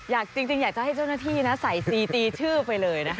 จริงอยากจะให้เจ้าหน้าที่นะใส่ซีตีชื่อไปเลยนะคะ